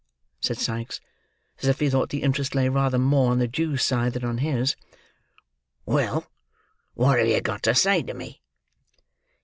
"Humph," said Sikes, as if he thought the interest lay rather more on the Jew's side than on his. "Well, what have you got to say to me?"